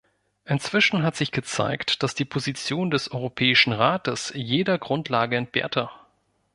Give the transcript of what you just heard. Inzwischen hat sich gezeigt, dass die Position des Europäischen Rates jeder Grundlage entbehrte.